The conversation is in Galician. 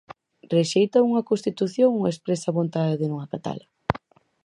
¿Rexeita un a constitución ou expresa a vontade de non acatala?